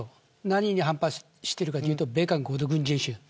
何に反発しているかというと米韓合同軍事演習。